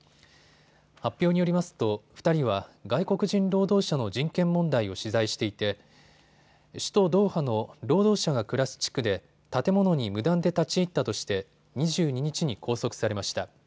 発表によりますと２人は外国人労働者の人権問題を取材していて首都ドーハの労働者が暮らす地区で建物に無断で立ち入ったとして２２日に拘束されました。